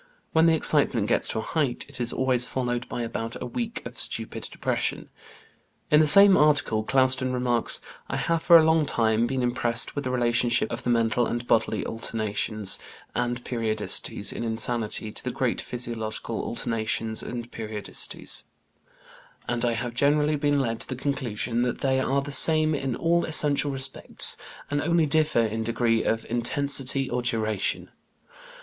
When the excitement gets to a height, it is always followed by about a week of stupid depression." In the same article Clouston remarks: "I have for a long time been impressed with the relationship of the mental and bodily alternations and periodicities in insanity to the great physiological alternations and periodicities, and I have generally been led to the conclusion that they are the same in all essential respects, and only differ in degree of intensity or duration.